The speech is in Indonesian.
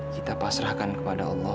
kita pasrahkan kepada allah